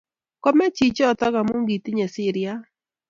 Kome chichotok amu kitinye siriat